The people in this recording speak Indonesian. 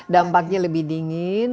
dampaknya lebih dingin